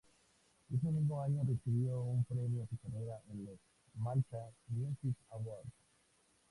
Ese mismo año recibió un premio a su carrera en los Malta Music Awards.